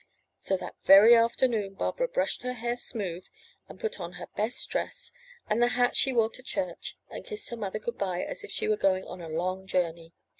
So that very afternoon Barbara brushed her hair smooth, and put on her best dress and the hat she wore to church, and kissed her mother good by as if she were going on a long journey.